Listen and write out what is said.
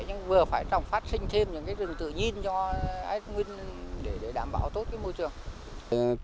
nhưng vừa phải trồng phát sinh thêm những cái rừng tự nhiên cho ánh nguyên để đảm bảo tốt cái môi trường